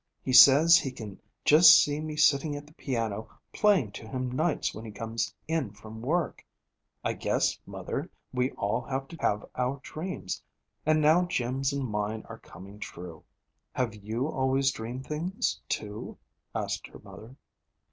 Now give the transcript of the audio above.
He says he can just see me sitting at the piano playing to him nights when he comes in from work. I guess, mother, we all have to have our dreams. And now Jim's and mine are coming true.' 'Have you always dreamed things, too?' asked her mother.